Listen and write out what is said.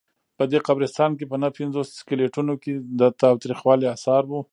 په دې قبرستان کې په نههپنځوس سکلیټونو کې د تاوتریخوالي آثار وو.